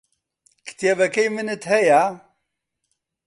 کتێبەکەی منت هەیە؟